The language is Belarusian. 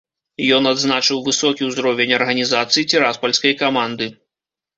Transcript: Ён адзначыў высокі ўзровень арганізацыі ціраспальскай каманды.